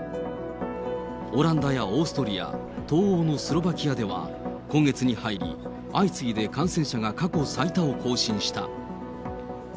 オランダやオーストリア、東欧のスロバキアでは、今月に入り、相次いで感染者が過去最多を更新した。